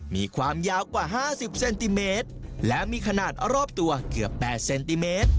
มีความยาวกว่า๕๐เซนติเมตรและมีขนาดรอบตัวเกือบ๘เซนติเมตร